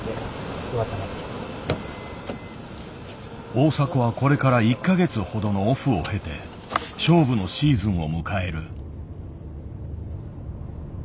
大迫はこれから１か月ほどのオフを経て勝負のシーズンを迎える。